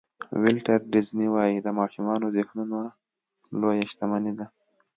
ولټر ډیسني وایي د ماشومانو ذهنونه لویه شتمني ده.